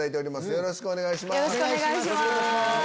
よろしくお願いします。